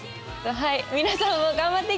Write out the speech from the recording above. はい。